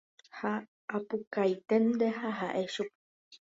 ha apukaiténte ha ha'e chupe